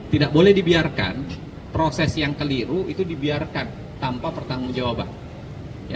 tidak boleh dibiarkan proses yang keliru itu dibiarkan tanpa pertanggung jawaban